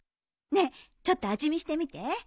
ねえちょっと味見してみて。